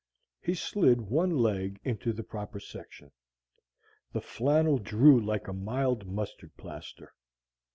He slid one leg into the proper section: the flannel drew like a mild mustard plaster.